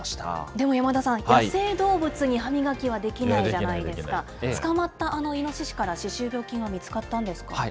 でも山田さん、野生動物に歯磨きはできないじゃないですか、捕まったあのイノシシから歯周病菌は見つかったんですか。